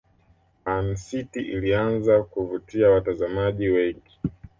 Man city ilianza kuvutia watazamaji wengi